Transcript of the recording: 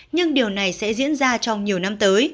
nhưng điều này sẽ diễn ra trong nhiều năm tới